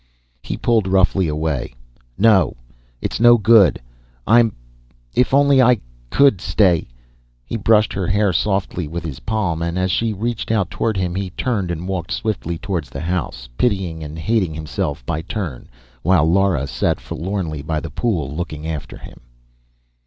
He pulled roughly away. "No! It's no good. I'm If only I could stay." He brushed her hair softly with his palm and as she reached out toward him he turned and walked swiftly toward the house, pitying and hating himself by turn, while Lara sat forlornly by the pool looking after him.